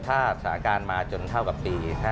ถ้าสะอาการมาจนเท่ากันปี๕๔